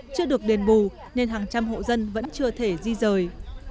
chưa được đền bù nên hàng trăm hộ dân vẫn chưa thể di rời